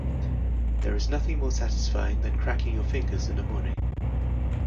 There is nothing more satisfying than cracking your fingers in the morning.